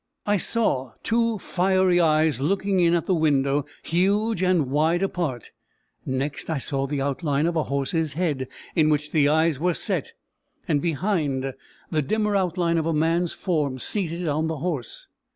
I saw two fiery eyes looking in at the window, huge, and wide apart. Next, I saw the outline of a horse's head, in which the eyes were set; and behind, the dimmer outline of a man's form seated on the horse.